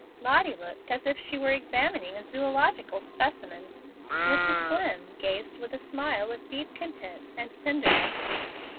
Lottie looked as if she were examining a zoological specimen. Mrs. Dlimm gazed with a smile of deep content and tenderness.